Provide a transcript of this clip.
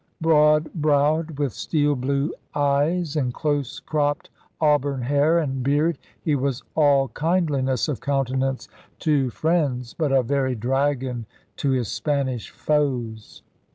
Broad browed, with steel blue eyes and close cropped auburn hair and beard, he was all kindliness of countenance to 106 ELIZABETHAN SEA DOGS friends, but a very * Dragon' to his Spanish foes.